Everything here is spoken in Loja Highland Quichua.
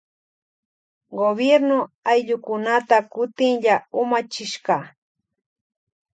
Gobierno ayllukunata kutinlla umachishka.